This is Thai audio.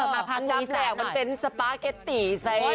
มาพาทุกอีสานหน่อยโอ้ยมันไม่ใช่สปาเกตตี้